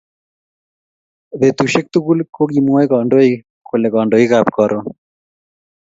Betusiek tugul kokimwoei kandoik kole kandoikab Karon